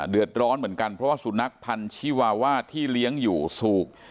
เดือดร้อนเหมือนกันเพราะว่าสุนัขพันธิวาวาที่เลี้ยงอยู่สูบ